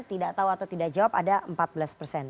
tidak tahu atau tidak jawab ada empat belas persen